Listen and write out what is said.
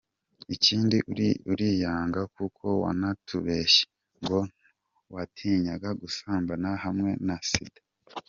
Ikindi uriyanga kuko wanatubeshye ngo watinyaga gusambana hamwe na sida.